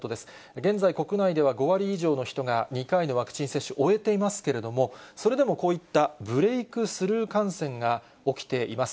現在、国内では５割以上の人が２回のワクチン接種、終えていますけれども、それでもこういったブレークスルー感染が起きています。